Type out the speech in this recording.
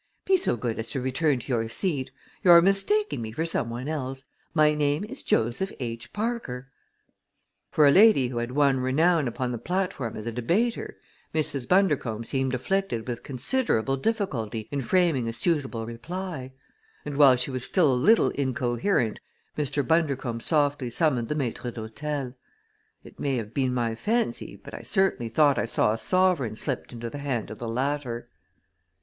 Be so good as to return to your seat. You are mistaking me for some one else. My name is Joseph H. Parker." For a lady who had won renown upon the platform as a debater, Mrs. Bundercombe seemed afflicted with considerable difficulty in framing a suitable reply; and while she was still a little incoherent Mr. Bundercombe softly summoned the maître d'hôtel. It may have been my fancy, but I certainly thought I saw a sovereign slipped into the hand of the latter.